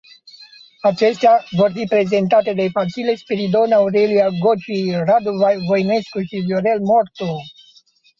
Acestea vor fi prezentate de Vasile Spiridon, Aurelia Goci, Radu Voinescu și Viorel Mortu.